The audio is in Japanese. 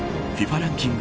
ランキング